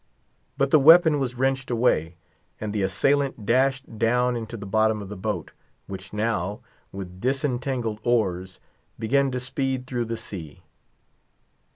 But the weapon was wrenched away, and the assailant dashed down into the bottom of the boat, which now, with disentangled oars, began to speed through the sea.